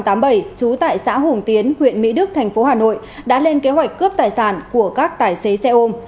trú tại xã hùng tiến huyện mỹ đức thành phố hà nội đã lên kế hoạch cướp tài sản của các tài xế xe ôm